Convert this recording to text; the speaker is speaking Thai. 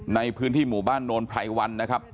ในพื้นที่หมู่บ้านโนนไพรวันนะครับ